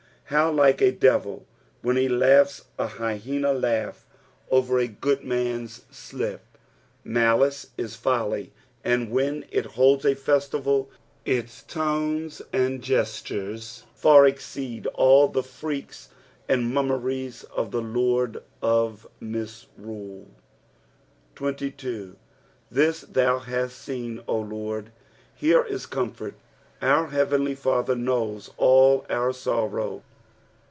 how like to a devil when he laughs a hynna lnugh over a good FSAUI TBE THIRTT 71FTH. 161 aum'B slip ! Malice is follj, and when it holds a feBtival ite tonea and gestures far exceed all the freaks and mnrnmerieB of the lord of misrule. ' ThU thou haii *«n, 0 Lord." Here is comfort. Our heavenly Father knows all our sorrow.